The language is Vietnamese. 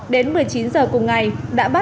đến một mươi chín h cùng ngày đã bắt